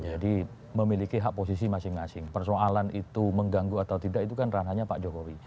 jadi memiliki hak posisi masing masing persoalan itu mengganggu atau tidak itu kan ranahnya pak jokowi